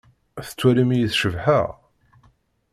Tettwalim-iyi cebḥeɣ?